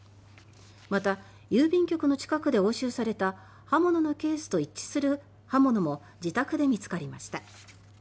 また、郵便局の近くで押収された刃物のケースと一致する刃物も自宅で見つかりました。